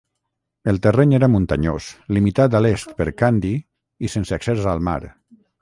El terreny era muntanyós, limitat a l'est per Kandy i sense accés al mar.